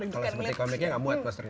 kalau seperti komiknya nggak muat posternya